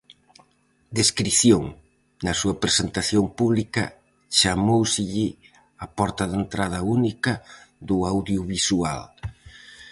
Descrición: Na súa presentación pública chamóuselle a "porta de entrada única do audiovisual".